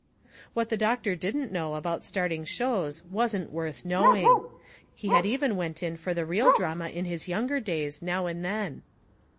What the Doctor didn't know about starting shows wasn't worth knowing. He had even went in for the real drama in his younger days now and then.